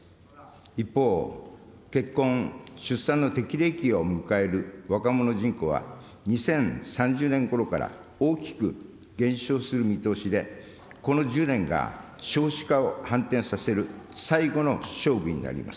一方、結婚・出産の適齢期を迎える若者人口は２０３０年ごろから大きく減少する見通しで、この１０年が少子化を反転させる最後の勝負になります。